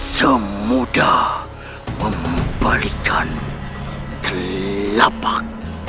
semudah membalikan telapak